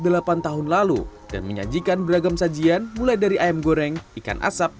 delapan tahun lalu dan menyajikan beragam sajian mulai dari ayam goreng ikan asap